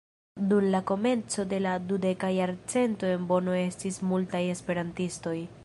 Dum la komenco de la dudeka jarcento en Bono estis multaj esperantistoj.